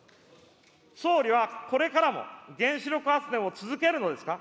総理はこれからも、原子力発電を続けるのですか。